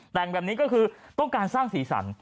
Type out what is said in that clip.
แต่งแบบนี้ก็คือต้องการสร้างสีสัน